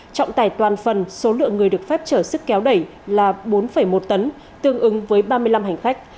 trọng tải toàn phần số lượng người được phép trở sức kéo đẩy là bốn một tấn tương ứng với ba mươi năm hành khách